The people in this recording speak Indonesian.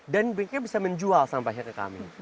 dan mereka bisa menjual sampahnya ke kami